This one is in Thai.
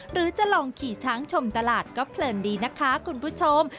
หรือจะลองขี่ช้างชมตลาดก็เพลินดีนะคะคุณผู้ชม